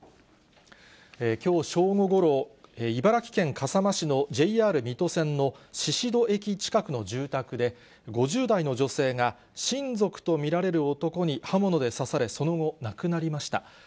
きょう正午ごろ、茨城県笠間市のＪＲ水戸線のししど駅近くの住宅で、５０代の女性が、親族と見られる男に刃物で刺され、その後、亡くなりました。